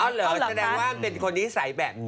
อ้าวเหรอแสดงว่าเป็นคนที่ใส่แบบนี้